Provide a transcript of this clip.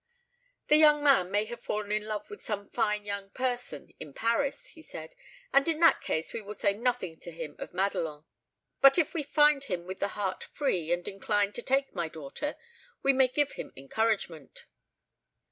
"The young man may have fallen in love with some fine young person in Paris," he said; "and in that case we will say nothing to him of Madelon. But if we find him with the heart free, and inclined to take to my daughter, we may give him encouragement."